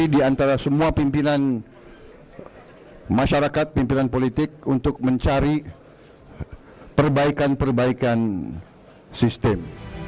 dan kami akan terus mencari perbaikan perbaikan sistem